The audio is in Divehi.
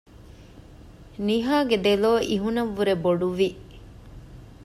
ނިހާގެ ދެލޯ އިހުނަށްވުރެ ބޮޑުވި